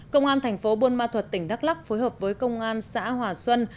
công an thành phố buôn ma thuật tỉnh đắk lắc phối hợp với công an xã hòa xuân